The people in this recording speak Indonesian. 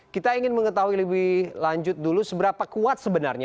kita ingin mengetahui lebih lanjut dulu seberapa kuat sebenarnya